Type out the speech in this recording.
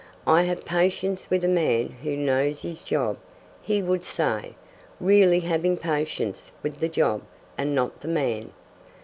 "I have patience with a man who knows his job," he would say, really having patience with the job, and not the man.